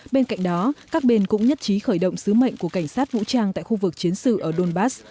bên cạnh đó các bên cũng nhất trí khởi động sứ mệnh của cảnh sát vũ trang tại khu vực chiến sự ở donbass